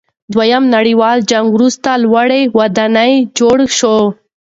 د دویم نړیوال جنګ وروسته لوړې ودانۍ جوړې شوې.